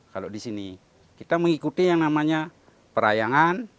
kalau di sini kita mengikuti yang namanya perayangan